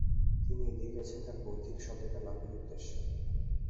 তিনি এগিয়ে গেছেন তার বৌদ্ধিক সততা লাভের উদ্দেশ্যে।